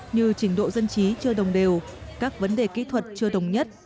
như trình độ dân trí chưa đồng đều các vấn đề kỹ thuật chưa đồng nhất